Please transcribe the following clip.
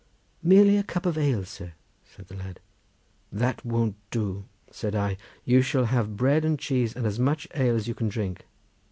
"Merely a cup of ale, sir," said the lad. "That won't do," said I; "you shall have bread and cheese and as much ale as you can drink.